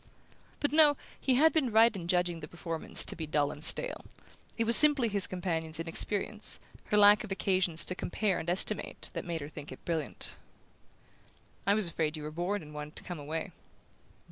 But no, he had been right in judging the performance to be dull and stale: it was simply his companion's inexperience, her lack of occasions to compare and estimate, that made her think it brilliant. "I was afraid you were bored and wanted to come away."